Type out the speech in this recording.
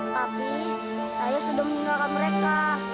tapi saya sudah meninggalkan mereka